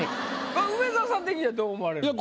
梅沢さん的にはどう思われるんですか？